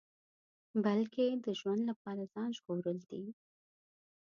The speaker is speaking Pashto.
بلکې د ژوند لپاره ځان ژغورل دي.